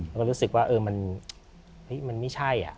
เรารู้สึกว่ามันไม่ใช่